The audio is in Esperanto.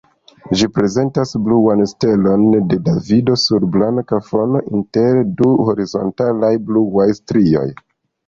Ĝi prezentas bluan stelon de Davido sur blanka fono, inter du horizontalaj bluaj strioj.